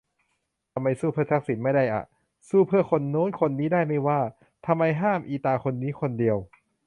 ทำไม สู้เพื่อทักษิณ ไม่ได้อ่ะ ? สู้เพื่อคนโน้นคนนี้ได้ไม่ว่า ทำไมห้ามอีตาคนนี้คนเดียว